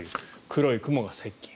黒い雲が接近